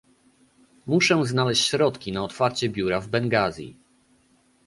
Muszę znaleźć środki na otwarcie biura w Bengazi